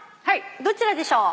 どちらでしょう？